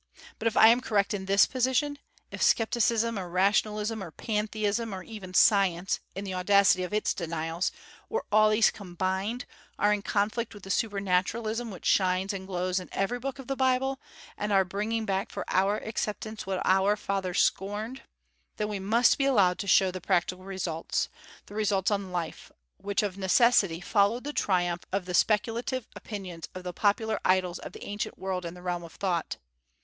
But if I am correct in this position, if scepticism, or rationalism, or pantheism, or even science, in the audacity of its denials, or all these combined, are in conflict with the supernaturalism which shines and glows in every book of the Bible, and are bringing back for our acceptance what our fathers scorned, then we must be allowed to show the practical results, the results on life, which of necessity followed the triumph of the speculative opinions of the popular idols of the ancient world in the realm of thought.